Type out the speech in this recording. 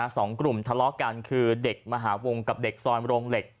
สองกลุ่มทะเลาะกันคือเด็กมหาวงกับเด็กซอยโรงเหล็ก